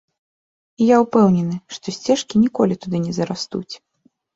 І я ўпэўнены, што сцежкі ніколі туды не зарастуць.